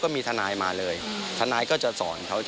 มากกล้าหน่อย